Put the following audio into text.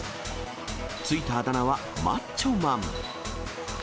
付いたあだ名はマッチョマン。